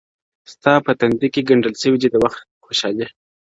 ستا په تندي كي گنډل سوي دي د وخت خوشحالۍ.